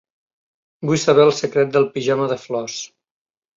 Vull saber el secret del pijama de flors.